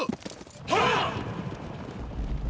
はっ！！